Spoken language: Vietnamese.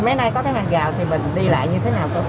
mấy nay có cái hàng rào thì mình đi lại